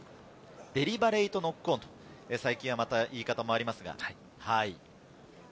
デリバレイトノックオン、最近はまた言い方もあります。